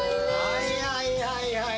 はいはいはいはい。